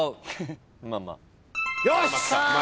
よし！